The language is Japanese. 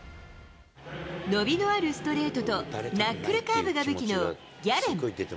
伸びのあるストレートとナックルカーブが武器のギャレン。